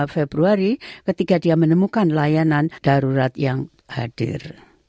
februari ketika dia menemukan layanan darurat yang hadir